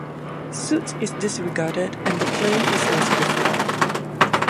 Suit is disregarded and the play is as before.